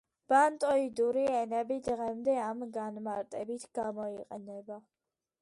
ბანტოიდური ენები დღემდე ამ განმარტებით გამოიყენება.